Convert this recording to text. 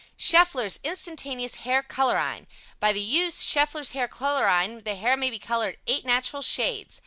Scheffler's Instantaneous Hair Colorine By the use SCHEFFLER'S HAIR COLORINE, the hair may be colored eight natural shades.